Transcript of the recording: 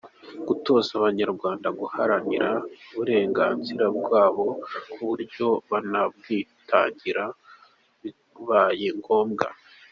– Gutoza Abanyarwanda guharanira uburenganzira bwabo ku buryo banabwitangira bibaye ngombwa